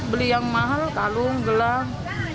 beli yang mahal talung gelang